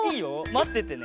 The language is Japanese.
まっててね。